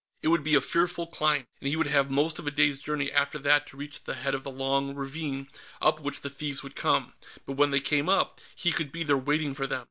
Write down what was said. It would be a fearful climb, and he would have most of a day's journey after that to reach the head of the long ravine up which the thieves would come, but when they came up, he could be there waiting for them.